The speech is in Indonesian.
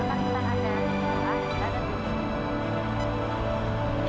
ada dokter yang menghubungi ambil